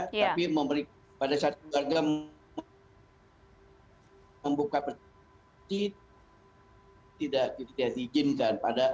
tapi pada saat keluarga mau buka peti tidak diizinkan